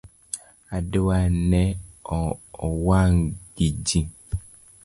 Odwa ne owang gi jii